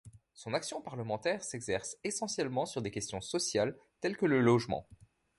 Son action parlementaire s'exerce essentiellement sur des questions sociales, telles que le logement.